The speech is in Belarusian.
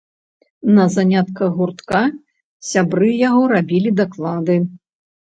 На занятках гуртка сябры яго рабілі даклады.